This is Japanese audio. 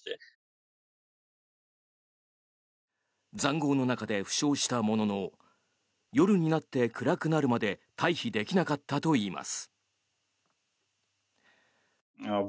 塹壕の中で負傷したものの夜になって暗くなるまで退避できなかったといいます。